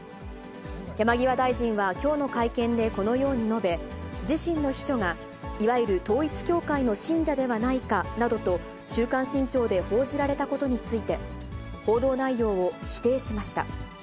山際大臣はきょうの会見でこのように述べ、自身の秘書が、いわゆる統一教会の信者ではないかなどと、週刊新潮で報じられたことについて、報道内容を否定しました。